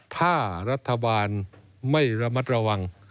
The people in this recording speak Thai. ถ้ารัฐบาลไม่ระมัดระวัง